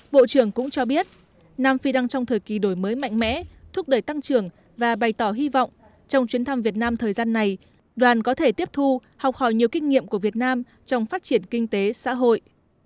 bộ trưởng cũng cho biết nam phi đang trong thời kỳ đổi mới mạnh mẽ thúc đẩy tăng trưởng và bày tỏ hy vọng trong chuyến thăm việt nam thời gian này đoàn có thể tiếp thu học hỏi nhiều kinh nghiệm của việt nam trong phát triển kinh tế xã hội